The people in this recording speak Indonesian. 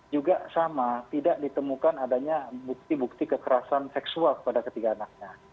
juga sama tidak ditemukan adanya bukti bukti kekerasan seksual pada ketiga anaknya